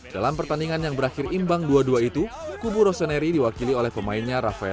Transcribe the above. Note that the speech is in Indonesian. dalam pertandingan yang berakhir imbang dua dua itu kubu roseneri diwakili oleh pemainnya rafael